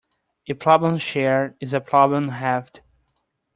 A problem shared is a problem halved.